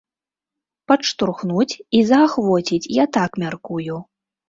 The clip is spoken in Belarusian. Падштурхнуць і заахвоціць, я так мяркую.